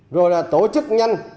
rồi là tổ chức nhanh